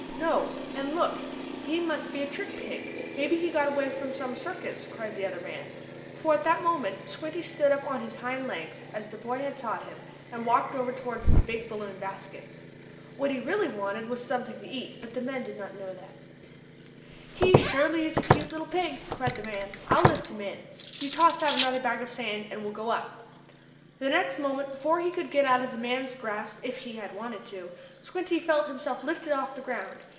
"No, and look! He must be a trick pig! Maybe he got away from some circus!" cried the other man. For, at that moment Squinty stood up on his hind legs, as the boy had taught him, and walked over toward the big balloon basket. What he really wanted was something to eat, but the men did not know that. "He surely is a cute little pig!" cried the tall man. "I'll lift him in. You toss out another bag of sand, and we'll go up." [Illustration: The next moment Squinty felt himself lifted off the ground.] The next moment, before he could get out of the man's grasp if he had wanted to, Squinty felt himself lifted off the ground.